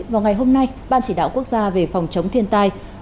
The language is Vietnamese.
vào ngày hôm nay ban chỉ đạo quốc gia về phòng chống thiên tai